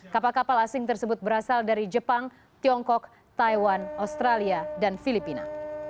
kapal kapal asing tersebut berasal dari jepang tiongkok taiwan australia dan filipina